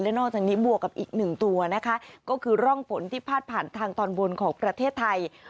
นอกจากนี้บวกกับอีกหนึ่งตัวนะคะก็คือร่องฝนที่พาดผ่านทางตอนบนของประเทศไทย